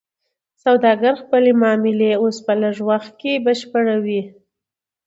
سوداګر خپلې معاملې اوس په ډیر لږ وخت کې بشپړوي.